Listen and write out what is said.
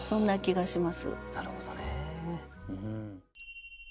なるほどね。